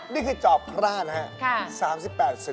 นี่คือจอบพระนะฮะค่ะ